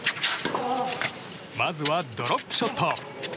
まずはドロップショット。